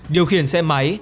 điều khiển xe máy